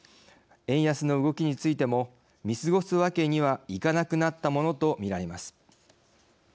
円安の動きについても見過ごすわけにはいかなくなったものと見られます。